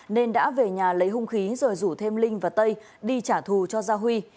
nên đã về nhà lấy hung khí rồi rủ thêm linh và tây đi trả thù cho gia huy